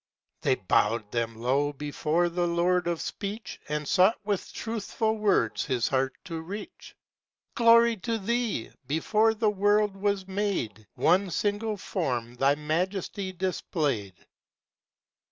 They bowed them low before the Lord of Speech, And sought with truthful words his heart to reach: "Glory to Thee! before the world was made, One single form thy Majesty displayed.